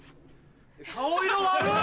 顔色悪っ！